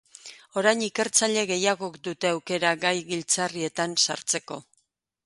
Orain ikertzaile gehiagok dute aukera gai giltzarrietan sartzeko.